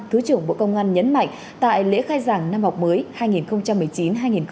thứ trưởng bộ công an nhấn mạnh tại lễ khai giảng năm học mới hai nghìn một mươi chín hai nghìn hai mươi